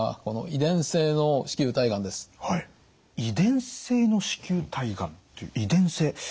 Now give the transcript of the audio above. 遺伝性の子宮体がんっていう遺伝性